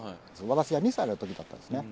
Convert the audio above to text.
私が２歳の時だったんですね。